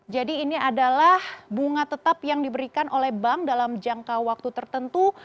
jadi ini adalah bunga tetap yang diberikan oleh bank dalam jangka waktu tertentu